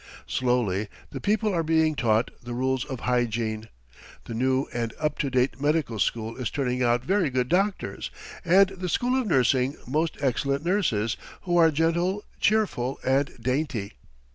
Slowly the people are being taught the rules of hygiene. The new and up to date medical school is turning out very good doctors, and the school of nursing, most excellent nurses, who are gentle, cheerful and dainty.